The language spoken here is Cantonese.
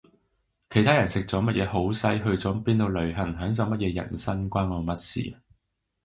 其他人食咗乜嘢好西去咗邊度旅行享受乜嘢人生關我乜事